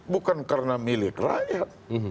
bukan karena milik rakyat